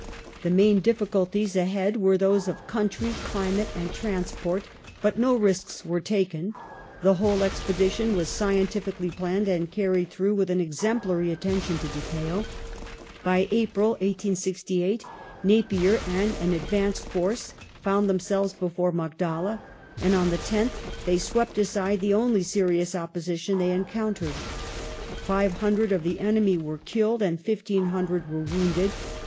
The main difficulties ahead were those of country, climate, and transport, but no risks were taken ; the whole expedi tion was scientifically planned and carried through with exemplary attention to detail. By April, 1868, Napier and an advanced force found themselves before Magdala, and on the 10th they swept aside the only serious opposition they encountered. Five hundred of the enemy were killed and 1,500 were wounded.